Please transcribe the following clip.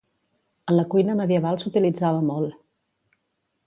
En la cuina medieval s'utilitzava molt.